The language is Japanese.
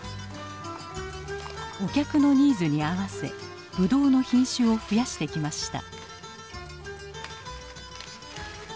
お客のニーズに合わせブドウの品種を増やしてきました。